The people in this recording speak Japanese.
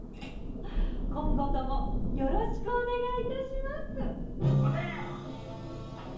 今後ともよろしくお願いいたします！